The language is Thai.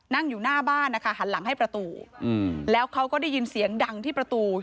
นั่งอยู่หน้าบ้านนะคะหันหลังให้ประตูแล้วเขาก็ได้ยินเสียงดังที่ประตู